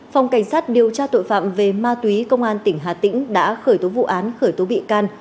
phòng cảnh sát điều tra tội phạm về ma túy công an tỉnh hà tĩnh đã khởi tố vụ án khởi tố bị can